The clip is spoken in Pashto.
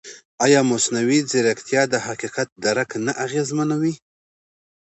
ایا مصنوعي ځیرکتیا د حقیقت درک نه اغېزمنوي؟